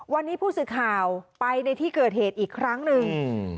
วันนี้ผู้สื่อข่าวไปในที่เกิดเหตุอีกครั้งหนึ่งอืม